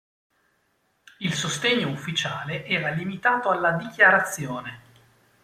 Il sostegno ufficiale era limitato alla dichiarazione.